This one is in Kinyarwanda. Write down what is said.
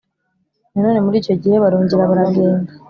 Nanone muri icyo gihe barongera baragenda